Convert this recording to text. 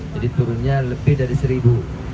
jadi turunnya lebih dari rp satu